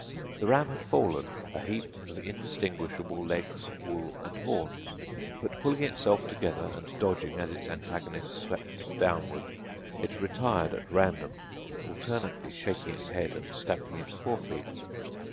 The ram had fallen, a heap of indistinguishable legs, wool and horns, but pulling itself together and dodging as its antagonist swept downward it retired at random, alternately shaking its head and stamping its fore feet.